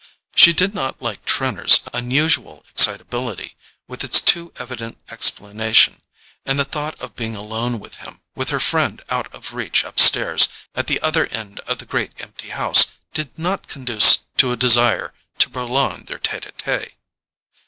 She did not like Trenor's unusual excitability, with its too evident explanation, and the thought of being alone with him, with her friend out of reach upstairs, at the other end of the great empty house, did not conduce to a desire to prolong their TETE A TETE.